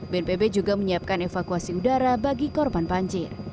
bnpb juga menyiapkan evakuasi udara bagi korban banjir